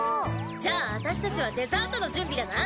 じゃあ私たちはデザートの準備だな！